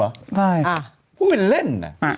มันเล่น